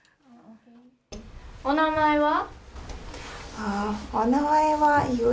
お名前は？